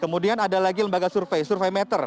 kemudian ada lagi lembaga survei